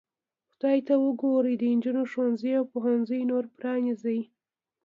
خدای ته وګورئ د نجونو ښوونځي او پوهنځي نور پرانیزئ.